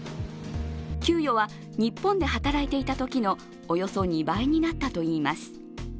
給与は日本で働いていたときのおよそ２倍になったといいます。